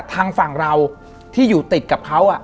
ทางฝั่งเราที่อยู่ติดกับเขา